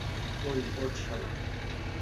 ওই, ওঠ শালা।